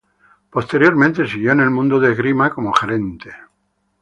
Posteriormente siguió en el mundo de esgrima como gerente.